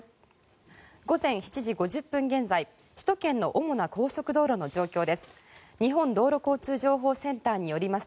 午前７時５０分現在首都圏の主な高速道路の状況です。